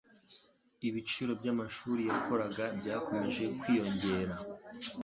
Ibiciro byamashuri yakoraga byakomeje kwiyongera.